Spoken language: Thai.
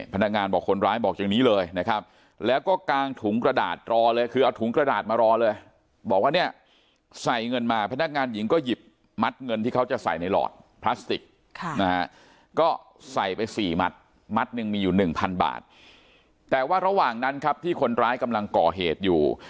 พนักงานบอกคนร้ายบอกอย่างนี้เลยนะครับแล้วก็กางถุงกระดาษรอเลยคือเอาถุงกระดาษมารอเลยบอกว่าเนี่ยใส่เงินมาพนักงานหญิงก็หยิบมัดเงินที่เขาจะใส่ในหลอดพลาสติกนะฮะก็ใส่ไปสี่มัดมัดหนึ่งมีอยู่หนึ่งพันบาทแต่ว่าระหว่างนั้นครับที่คนร้ายกำลังก่อเหตุอยู่